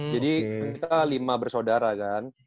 jadi kita lima bersaudara kan